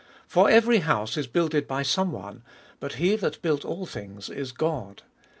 4. For every house is builded by some one; but he that built all things is God. 5.